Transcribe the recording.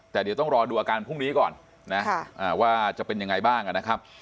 แต่เดี๋ยวต้องรอดูอาการพรุ่งนี้ก่อนนะว่าจะเป็นยังไงบ้างนะครับ